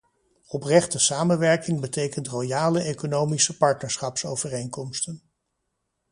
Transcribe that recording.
Oprechte samenwerking betekent royale economische partnerschapsovereenkomsten.